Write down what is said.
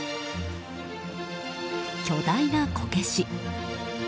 巨大なこけし。